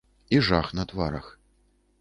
І жах на тварах.